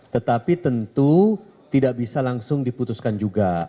tetapi tentu tidak bisa langsung diputuskan juga